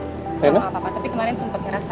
sama nggak apa apa tapi kemarin sempat ngerasa